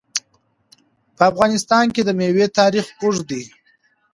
په افغانستان کې د مېوې تاریخ اوږد دی.